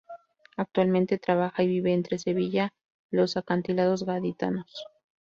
Actualmente trabaja y vive entre Sevilla y los acantilados gaditanos.